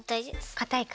かたいか。